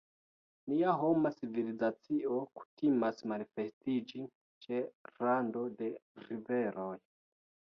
Nia homa civilizacio kutimas manifestiĝi ĉe rando de riveroj.